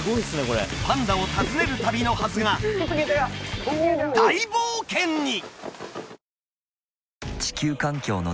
これパンダを訪ねる旅のはずが大冒険に！